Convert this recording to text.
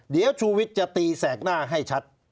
เดี๋ยวชูวิทย์จะตีแสกหน้าให้ชัด